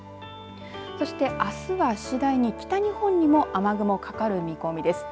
そしてあすは次第に北日本にも雨雲がかかる見込みです。